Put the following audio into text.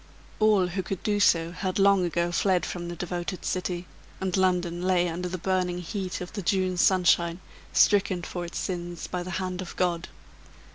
All who could do so had long ago fled from the devoted city; and London lay under the burning heat of the June sunshine, stricken for its sins by the hand of God.